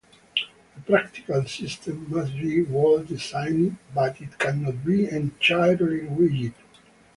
A practical system must be well designed but it cannot be entirely rigid.